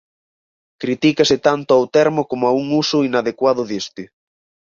Critícase tanto ao termo como a un uso inadecuado deste.